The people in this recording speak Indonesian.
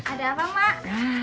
ada apa mak